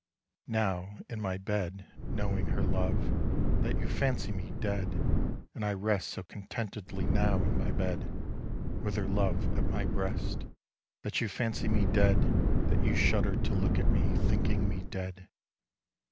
And I lie so composedly, Now, in my bed(Knowing her love),That you fancy me dead—And I rest so contentedly, Now, in my bed(With her love at my breast),That you fancy me dead—That you shudder to look at me, Thinking me dead.